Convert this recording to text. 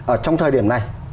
ở trong thời điểm này